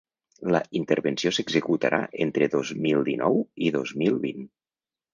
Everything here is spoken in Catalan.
La intervenció s’executarà entre dos mil dinou i dos mil vint.